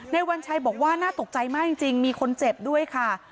วัญชัยบอกว่าน่าตกใจมากจริงมีคนเจ็บด้วยค่ะ